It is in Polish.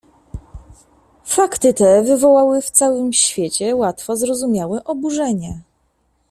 "Fakty te wywołały w całym świecie łatwo zrozumiałe oburzenie."